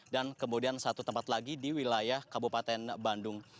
dan kemudian satu tempat lagi di wilayah kabupaten bandung